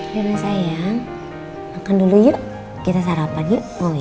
nino nino sayang makan dulu yuk kita sarapan yuk mau ya